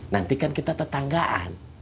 nanti kan kita tetanggaan